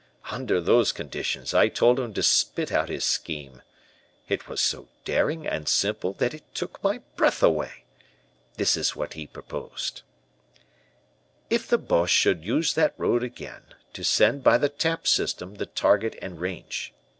"Under those conditions I told him to spit out his scheme. It was so daring and simple that it took my breath away. This is what he proposed: "If the Boches should use that road again, to send by the tap system the target and range.